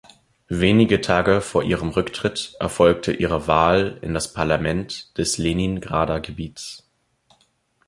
Wenige Tage vor ihrem Rücktritt erfolgte ihre Wahl in das Parlament des Leningrader Gebiets.